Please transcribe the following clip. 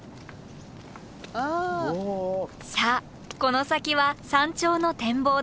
さあこの先は山頂の展望台。